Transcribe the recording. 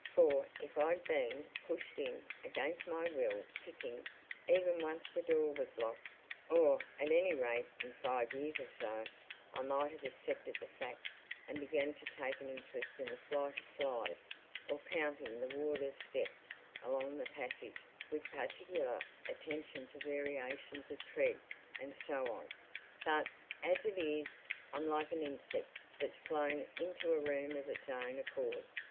For if I'd been—pushed in, against my will—kicking, even—once the door was locked, or at any rate in five years or so, I might have accepted the fact and begun to take an interest in the flight of flies or counting the warder's steps along the passage with particular attention to variations of tread and so on. But as it is, I'm like an insect that's flown into a room of its own accord.